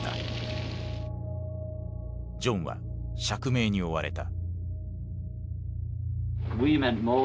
ジョンは釈明に追われた。